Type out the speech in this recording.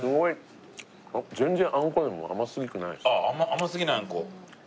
甘すぎないあんこ。